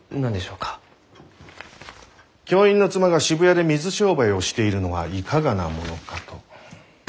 教員の妻が渋谷で水商売をしているのはいかがなものかと。